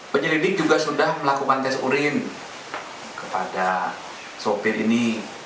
penyelidik juga sudah melakukan tes urin kepada sopir ini